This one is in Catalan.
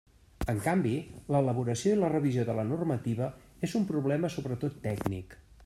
En canvi, l'elaboració i la revisió de la normativa és un problema sobretot tècnic.